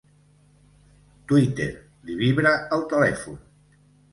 Twitter, li vibra el telèfon.